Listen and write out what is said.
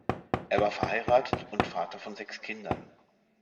Er war verheiratet und Vater von sechs Kindern.